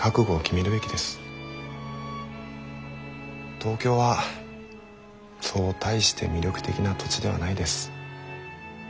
東京はそう大して魅力的な土地ではないです。